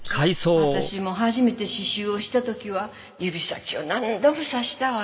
私も初めて刺繍をした時は指先を何度も刺したわ。